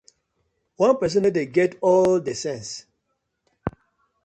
One pesin no dey get all the sence.